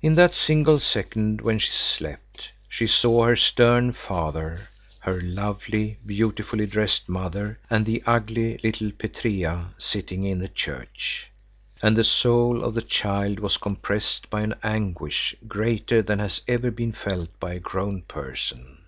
In that single second when she slept, she saw her stern father, her lovely, beautifully dressed mother, and the ugly, little Petrea sitting in the church. And the soul of the child was compressed by an anguish greater than has ever been felt by a grown person.